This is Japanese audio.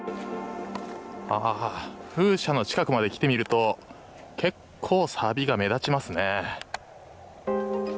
風車の近くまで来てみると結構、さびが目立ちますね。